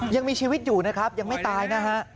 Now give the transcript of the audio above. ยังมีชีวิตอยู่นะครับยังไม่ตายนะฮะ